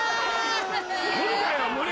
無理だよ無理。